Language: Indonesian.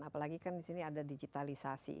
apalagi kan di sini ada digitalisasi